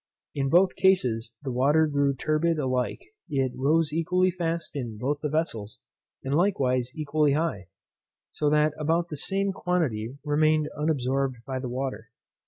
In both cases the water grew turbid alike, it rose equally fast in both the vessels, and likewise equally high; so that about the same quantity remained unabsorbed by the water.